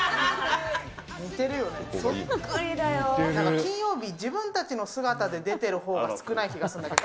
金曜日、自分たちの姿が出てる方が少ない気がするんだけど。